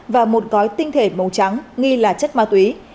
và một gói tinh thể màu trắng nghi là chất ma túy